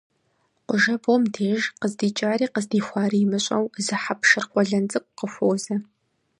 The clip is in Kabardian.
Къуажэбгъум деж, къыздикӏари къыздихуари имыщӏэу зы хьэпшыр къуэлэн цӏыкӏу къыхуозэ.